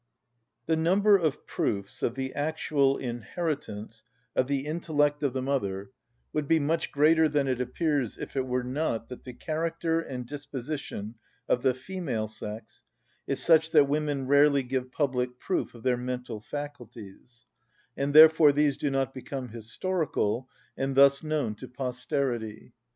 The number of proofs of the actual inheritance of the intellect of the mother would be much greater than it appears if it were not that the character and disposition of the female sex is such that women rarely give public proof of their mental faculties; and therefore these do not become historical, and thus known to posterity.